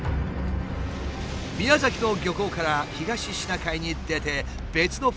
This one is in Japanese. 宮崎の漁港から東シナ海に出て別の船と合流。